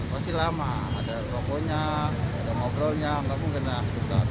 pasti lama ada rokoknya ada ngobrolnya gak mungkin lah